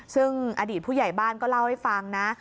ซึ่งอดีตผู้ใหญ่บ้านก็เล่าให้ฟังนะ